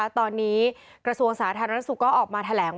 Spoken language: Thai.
ตอนนี้กระทรวงสาธารณสุขก็ออกมาแถลง